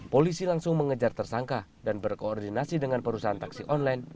polisi langsung mengejar tersangka dan berkoordinasi dengan perusahaan taksi online